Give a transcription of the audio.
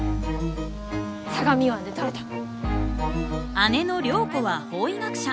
姉の涼子は法医学者。